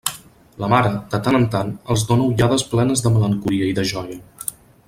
La mare de tant en tant els dóna ullades plenes de melancolia i de joia.